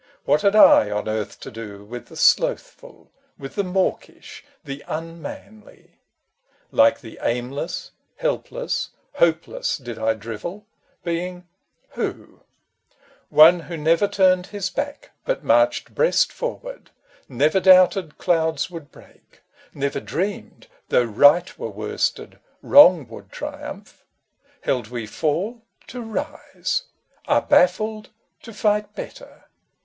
What had I on earth to do With the slothful, with the mawkish, the unmanly ? Like the aimless, helpless, hopeless, did I drivel — Being — who ? FANCIES AND FACTS 157 One who never turned his back but marched breast forward, Never doubted clouds would break, Never dreamed, though right were worsted, wrong would triumph, Held we fall to rise, are baffled to fight better.